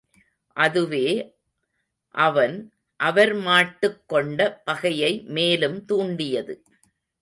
அதுவே அவன் அவர் மாட்டுக் கொண்ட பகையை மேலும் தூண்டியது.